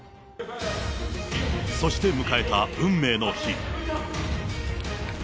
そして迎えた運命の日。